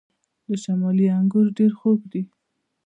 د شمالی انګور ډیر خوږ دي.